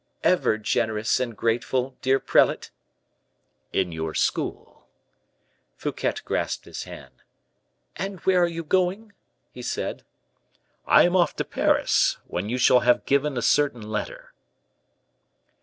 "Ever generous and grateful, dear prelate." "In your school." Fouquet grasped his hand. "And where are you going?" he said. "I am off to Paris, when you shall have given a certain letter."